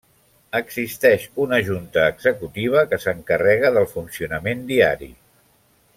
Existeix una Junta Executiva que s'encarrega del funcionament diari.